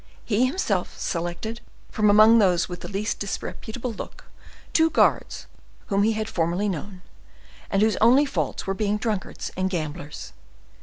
He himself selected from among those with the least disreputable look, two guards whom he had formerly known, and whose only faults were being drunkards and gamblers.